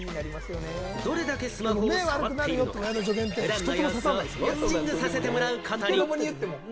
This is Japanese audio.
どれだけスマホを触っているのか、普段の様子をウォッチングさせてもらうことに。